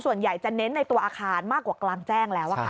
ส่วนใหญ่จะเน้นในตัวอาคารมากกว่ากลางแจ้งแล้ว